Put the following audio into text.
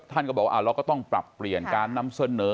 ท่านก็บอกว่าเราก็ต้องปรับเปลี่ยนการนำเสนอ